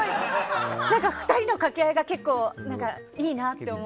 ２人の掛け合いがいいなって思って。